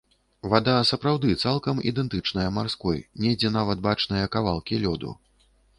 Вада сапраўды цалкам ідэнтычная марской, недзе нават бачныя кавалкі лёду.